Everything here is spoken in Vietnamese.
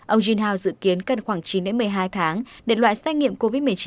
ông junhao dự kiến cần khoảng chín một mươi hai tháng để loại xét nghiệm covid một mươi chín